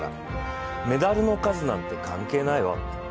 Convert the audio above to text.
メダルの数なんて関係ないわ。